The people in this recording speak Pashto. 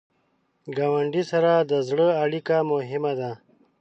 ګاونډي سره د زړه اړیکه مهمه ده